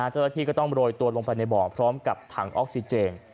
เจ้าหน้าที่ก็ต้องโรยตัวลงไปในบ่อพร้อมกับถังออกซิเจน